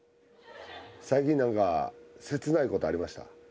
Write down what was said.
最近なんか切ない事ありました？